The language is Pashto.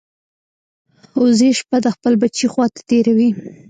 وزې شپه د خپل بچي خوا ته تېروي